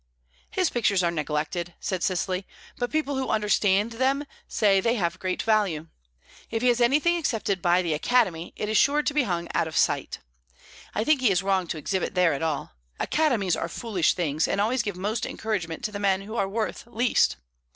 "His pictures are neglected," said Cecily, "but people who understand them say they have great value. If he has anything accepted by the Academy, it is sure to be hung out of sight. I think he is wrong to exhibit there at all. Academies are foolish things, and always give most encouragement to the men who are worth least.